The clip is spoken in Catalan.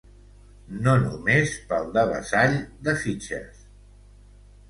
No només pel devessall de fitxes.